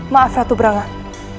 maaf ratu brangah